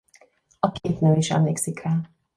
A két nő is emlékszik rá.